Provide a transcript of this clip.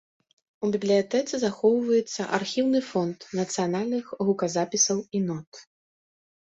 У бібліятэцы захоўваецца архіўны фонд нацыянальных гуказапісаў і нот.